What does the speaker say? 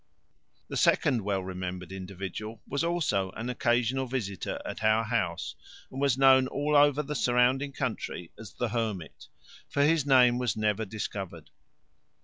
The second well remembered individual was also only an occasional visitor at our house, and was known all over the surrounding country as the Hermit, for his name was never discovered.